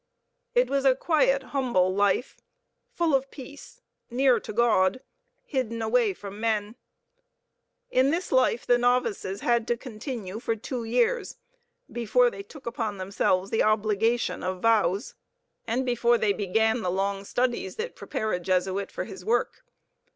It was a quiet, humble life, full of peace, near to God, hidden away from men. In this life the novices had to continue for two years, before they took upon themselves the obligation of vows, and before they began the long studies that prepare a Jesuit for his work.